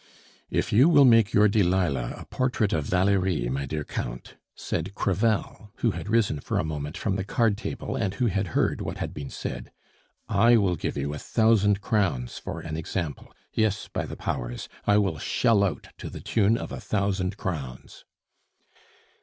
"If you will make your Delilah a portrait of Valerie, my dear Count," said Crevel, who had risen for a moment from the card table, and who had heard what had been said, "I will give you a thousand crowns for an example yes, by the Powers! I will shell out to the tune of a thousand crowns!"